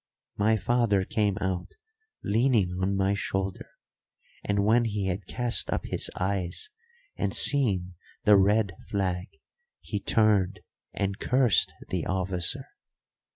My father came out leaning on my shoulder, and when he had cast up his eyes and seen the red flag he turned and cursed the officer.